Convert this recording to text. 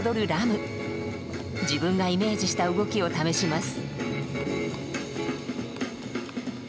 自分がイメージした動きを試します。